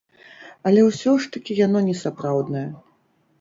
Але ўсё ж такі яно не сапраўднае.